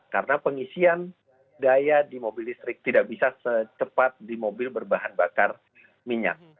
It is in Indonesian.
karena pengisian daya di mobil listrik tidak bisa secepat di mobil berbahan bakar minyak